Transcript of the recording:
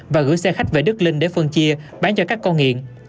và gửi xe khách về đức linh để phân chia bán cho các con nghiện